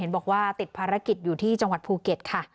บอกว่าติดภารกิจอยู่ที่จังหวัดภูเก็ตค่ะ